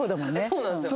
そうなんですよ。